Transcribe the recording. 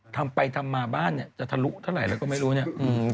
ทำไปทำมาบ้านเนี่ยจะทะลุเท่าไหร่แล้วก็ไม่รู้เนี่ย